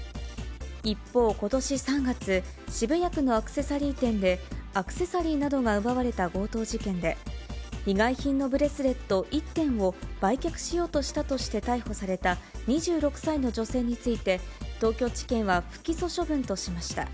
一方、ことし３月、渋谷区のアクセサリー店で、アクセサリーなどが奪われた強盗事件で、被害品のブレスレット１点を、売却しようとしたとして逮捕された２６歳の女性について、東京地検は不起訴処分としました。